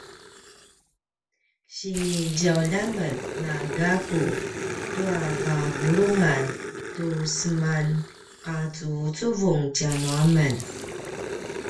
sini djaulj a men na gaku tua vavulungan tu semanqacuvucuvung tjanuamen